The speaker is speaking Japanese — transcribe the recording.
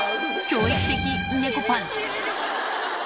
教育的猫パンチ。